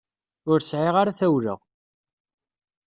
Ur sɛiɣ ara tawla.